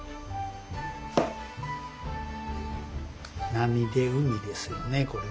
波で海ですよねこれは。